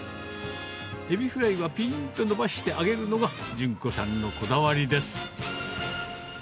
エビフライはぴんと伸ばして揚げるのが順子さんのこだわりです。